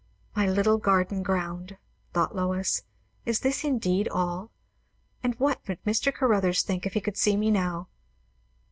My little garden ground! thought Lois; is this indeed all? And what would Mr. Caruthers think, if he could see me now?